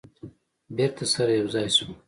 بیرته سره یو ځای شوه.